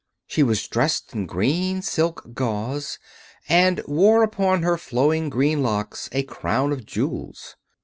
She was dressed in green silk gauze and wore upon her flowing green locks a crown of jewels.